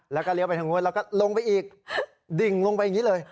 แล้วก็เลี้ยวไปทางนู้นแล้วก็ลงไปอีกดิ่งลงไปอย่างนี้เลย